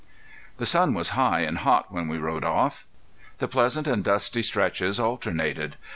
] The sun was high and hot when we rode off. The pleasant and dusty stretches alternated.